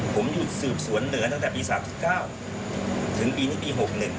ผมหยุดสืบสวนเหนือตั้งแต่ปี๓๙ถึงปีนี้ปี๖๑